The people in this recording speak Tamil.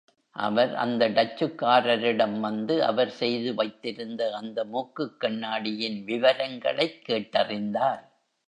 அவர் அந்த டச்சுக்காரரிடம் வந்து அவர் செய்து வைத்திருந்த அந்த மூக்குக்கண்ணாடியின் விவரங்களைக் கேட்டறிந்தார்.